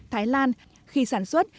thái lan khi sản xuất